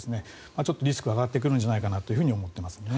ちょっとリスクが上がってくるんじゃないかと思っていますね。